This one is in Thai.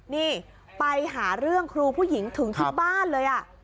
นี่ไปหาเรื่องครูผู้หญิงถึงที่บ้านเลย